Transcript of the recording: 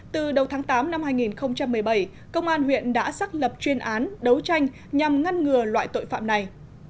từ đầu tháng tám năm hai nghìn một mươi bảy công an huyện đã xác lập chuyên án đấu tranh nhằm ngăn ngừa loại tội phạm này